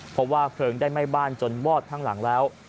เพราะว่าเพลิงได้ไหม้บ้านจนวอดทั้งหลังแล้ว